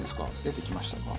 出てきましたか？